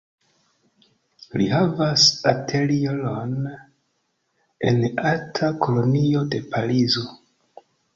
Li havas atelieron en arta kolonio de Parizo.